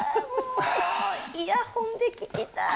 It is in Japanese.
イヤホンで聞きたい。